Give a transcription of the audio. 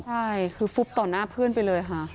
ใช่คือฟุบต่อหน้าเพื่อนไปเลยค่ะ